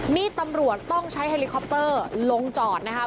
นี่ตำรวจต้องใช้เฮลิคอปเตอร์ลงจอดนะคะ